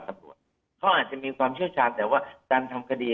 ตำรวจเขาอาจจะมีความเชี่ยวชาญแต่ว่าการทำคดี